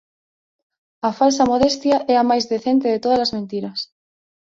A falsa modestia é a máis decente de tódalas mentiras.